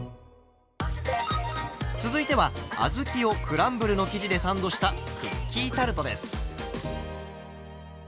続いてはあずきをクランブルの生地でサンドしたクッキータルトです。